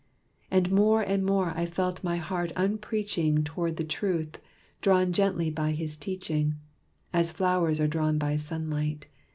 And more and more I felt my heart upreaching Toward the truth, drawn gently by his teaching, As flowers are drawn by sunlight.